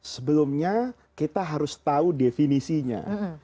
sebelumnya kita harus tahu definisinya